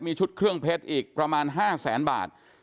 มีชุดเครื่องเพชรอีกประมาณ๕แสนบาท